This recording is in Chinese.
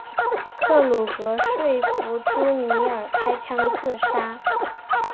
克鲁格说服朱尼尔开枪自杀。